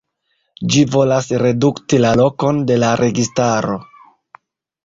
Ĝi volas redukti la lokon de la registaro.